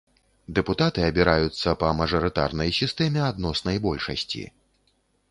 Дэпутаты абіраюцца па мажарытарнай сістэме адноснай большасці.